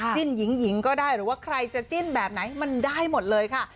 จิ้นหญิงหญิงก็ได้หรือว่าใครจะจิ้นแบบไหนมันได้หมดเลยค่ะ